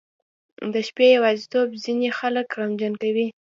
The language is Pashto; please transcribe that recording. • د شپې یوازیتوب ځینې خلک غمجن کوي.